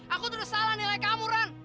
aku terus salah nilai kamu ran